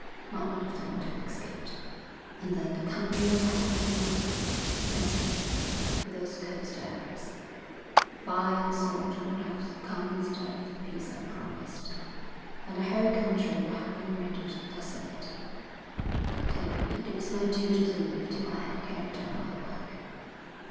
Not one of them would have escaped. And then the country would have been given up, defenceless, to those cursed Arabs. Fire and sword would have come instead of the peace I promised; and the whole country would have been rendered desolate. I tell you that it was my duty to live till I had carried out my work.'